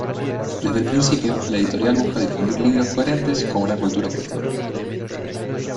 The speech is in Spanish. Desde el principio, la editorial busca difundir libros coherentes con una cultura cristiana.